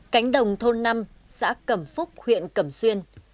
cánh đồng thôn năm xã cầm phúc huyện cầm xuyên